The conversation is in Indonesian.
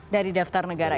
dari daftar negara itu